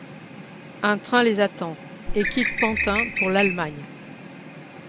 Un train les attend et quitte Pantin pour l’Allemagne.